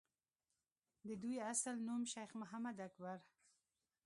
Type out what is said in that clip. دَدوي اصل نوم شېخ محمد اکبر